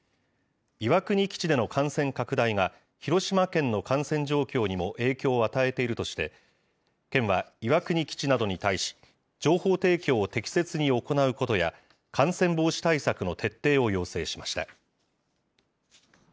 岩国基地での感染拡大が広島県の感染状況にも影響を与えているとして、県は岩国基地などに対し、情報提供を適切に行うことや、感染防止対策の徹底を要請しました。